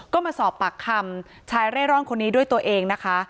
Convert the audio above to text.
ก็มาสอบปากคำชายเร่ร่อนคนนี้ด้วยตัวเองนะคะ